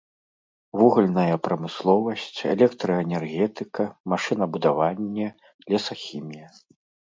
Вугальная прамысловасць, электраэнергетыка, машынабудаванне, лесахімія.